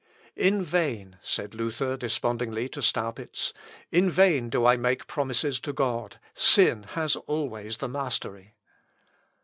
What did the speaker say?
"In vain," said Luther despondingly to Staupitz; "in vain do I make promises to God; sin has always the mastery."